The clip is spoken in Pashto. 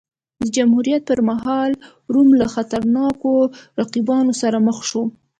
د جمهوریت پرمهال روم له خطرناکو رقیبانو سره مخ شو.